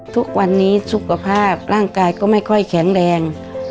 ทุกวันนี้สุขภาพร่างกายก็ไม่ค่อยแข็งแรง